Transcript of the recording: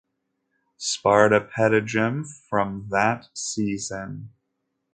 Sparta Petegem from that season.